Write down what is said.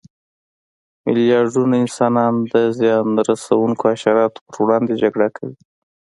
میلیاردونه انسانانو د زیان رسونکو حشراتو پر وړاندې جګړه کړې.